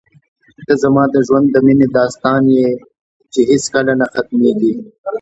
ته زما د ژوند د مینې داستان یې چې هېڅکله نه ختمېږي.